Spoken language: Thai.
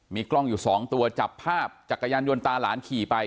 มีกล้องอยู่๒ตัวจับภาพจักรยานยนต์ตาหลานขี่ไป